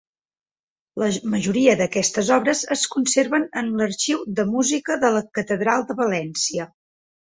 La majoria d'aquestes obres es conserven en l'Arxiu de música de la catedral de València.